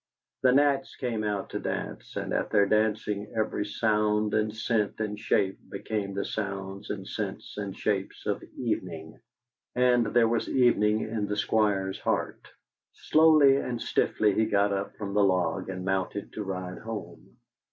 The gnats came out to dance, and at their dancing, every sound and scent and shape became the sounds and scents and shapes of evening; and there was evening in the Squire's heart. Slowly and stiffly he got up from the log and mounted to ride home.